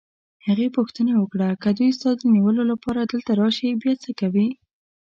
هغې پوښتنه وکړه: که دوی ستا د نیولو لپاره دلته راشي، بیا څه کوې؟